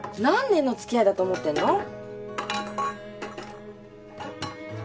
何年の付き合いだと思ってんの？